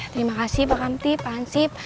terima kasih pak hanti pak hansip